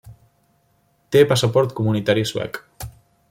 Té passaport comunitari suec.